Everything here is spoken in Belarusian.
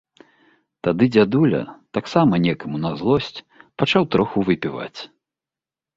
Тады дзядуля, таксама некаму на злосць, пачаў троху выпіваць.